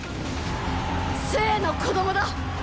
政の子供だ！！